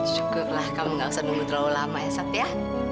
cukup lah kamu gak usah nunggu terlalu lama ya sat ya